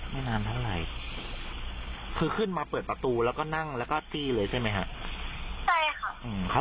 เขาไม่ได้ทำอะไรเราเลยใช่ไหมฮะ